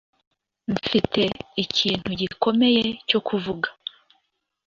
Mfite ikintu gikomeye cyo kuvuga.